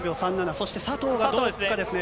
そして佐藤がどうつくかですね。